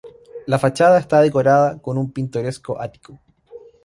La fachada está decorada con un pintoresco ático.